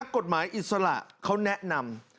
กฎหมายอิสระเขาแนะนำ